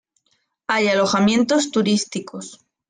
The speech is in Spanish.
Hay alojamientos turísticos.